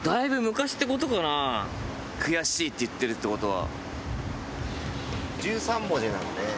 悔しいって言ってるってことは。